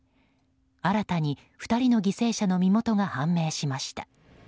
新たに２人の犠牲者の身元が判明しました。